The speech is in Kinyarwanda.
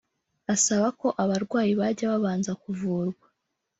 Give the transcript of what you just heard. asaba ko abarwayi bajya babanza kuvurwa